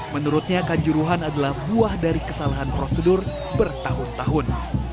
menurutnya kanjuruhan adalah buah dari kesalahan prosedur bertahun tahun